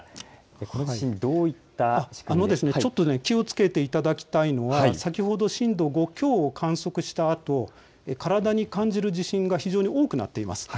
この地震、どういったあのちょっと気をつけていただきたいのが先ほど震度５強を観測したあと体に感じる地震が非常に多くなっています。